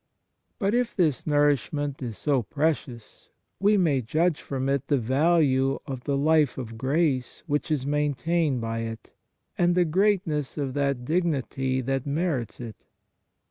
But if this nourishment is so precious, we may judge from it the value of the life of grace which is maintained by it, and the greatness of that dignity that merits it.